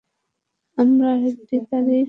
আমরা আরেকটা তারিখ ঠিক করতে পারি।